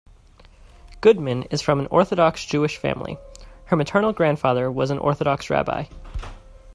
Goodman is from an Orthodox Jewish family; her maternal grandfather was an Orthodox Rabbi.